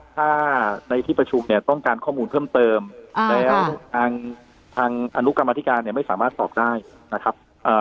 ถ้าในที่ประชุมเนี่ยต้องการข้อมูลเพิ่มเติมแล้วทางทางอนุกรรมธิการเนี่ยไม่สามารถตอบได้นะครับ